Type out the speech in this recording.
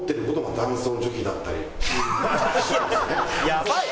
やばい！